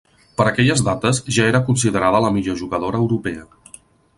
Per aquelles dates ja era considerada la millor jugadora europea.